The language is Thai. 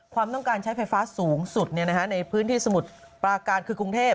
ความต้องการใช้ไฟฟ้าสูงสุดในพื้นที่สมุทรปราการคือกรุงเทพ